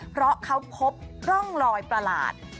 เพราะเขาพบร่องลอยประหลาด